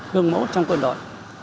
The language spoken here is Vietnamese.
hương mẫu trong quân đội